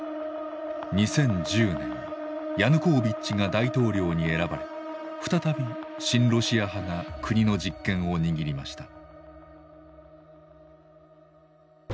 ２０１０年ヤヌコービッチが大統領に選ばれ再び親ロシア派が国の実権を握りました。